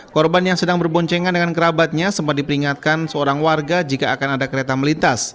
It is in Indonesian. korban yang sedang berboncengan dengan kerabatnya sempat diperingatkan seorang warga jika akan ada kereta melintas